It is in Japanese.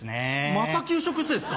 また給食室ですか？